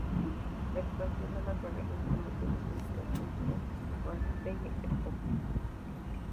La expansión de las galerías comerciales clásicas coincide con la Belle Époque.